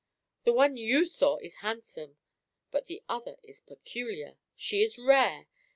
The one you saw is handsome; but the other is peculiar. She is rare.